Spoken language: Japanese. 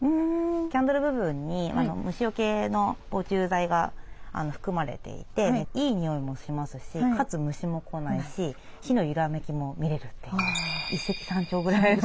キャンドル部分に虫よけの防虫剤が含まれていていい匂いもしますしかつ虫も来ないし火の揺らめきも見れるという一石三鳥ぐらいの。